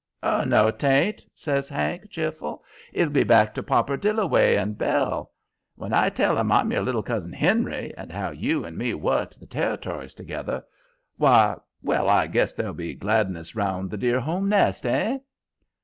"Oh, no, it ain't!" says Hank, cheerful. "It'll be back to Popper Dillaway and Belle. When I tell 'em I'm your little cousin Henry and how you and me worked the territories together why well, I guess there'll be gladness round the dear home nest; hey?"